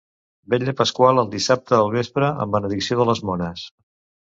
Vetlla pasqual al dissabte al vespre amb benedicció de les mones.